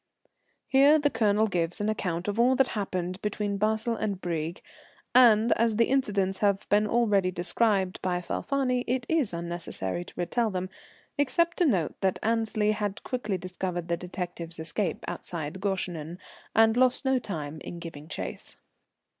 [_Here the Colonel gives an account of all that happened between Basle and Brieg; and as the incidents have been already described by Falfani it is unnecessary to retell them, except to note that Annesley had quickly discovered the detective's escape outside Goeschenen and lost no time in giving chase.